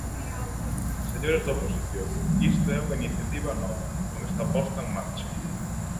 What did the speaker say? Señores da oposición, isto é unha iniciativa nova, non está posta en marcha.